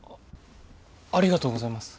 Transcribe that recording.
ありがとうございます。